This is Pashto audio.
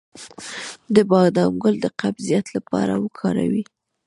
د بادام ګل د قبضیت لپاره وکاروئ